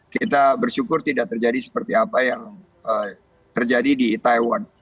kita bersyukur tidak terjadi seperti apa yang terjadi di taiwan